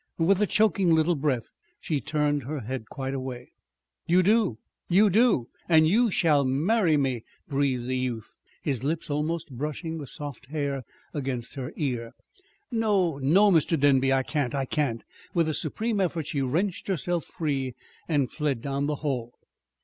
With a choking little breath she turned her head quite away. "You do you do! And you shall marry me!" breathed the youth, his lips almost brushing the soft hair against her ear. "No, no, Mr. Denby, I can't I can't!" With a supreme effort she wrenched herself free and fled down the hall.